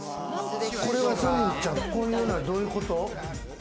これはソニンちゃん、こういうのは、どういうこと？